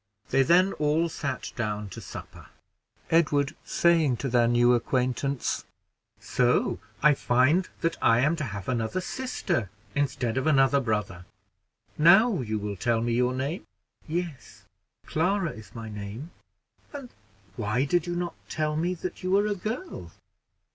They then all sat down to supper, Edward saying to their new acquaintance, "So I find that I am to have another sister instead of another brother. Now you will tell me your name?" "Yes; Clara is my name." "And why did you not tell me that you were a girl?"